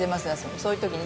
そういうときに。